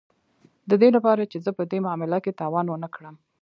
د دې لپاره چې زه په دې معامله کې تاوان ونه کړم